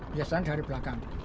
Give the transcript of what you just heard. biasanya dari belakang